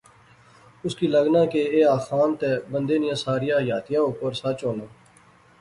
اس کی لغنا کہ ایہہ آخان تہ بندے نیاں ساریا حیاتیا اوپر سچ ہونا